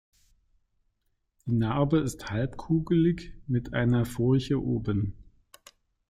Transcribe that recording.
Die Narbe ist halbkugelig mit einer Furche oben.